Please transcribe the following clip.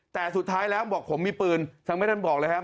แต่สุดท้ายแล้วบอกผมมีปืนทำให้ท่านบอกเลยครับ